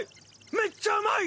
めっちゃうまい！